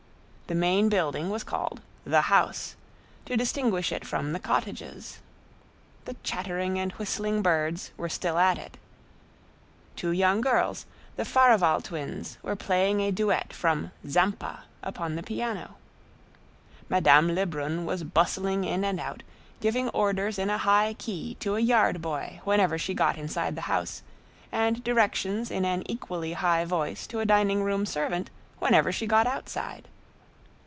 The main building was called "the house," to distinguish it from the cottages. The chattering and whistling birds were still at it. Two young girls, the Farival twins, were playing a duet from "Zampa" upon the piano. Madame Lebrun was bustling in and out, giving orders in a high key to a yard boy whenever she got inside the house, and directions in an equally high voice to a dining room servant whenever she got outside.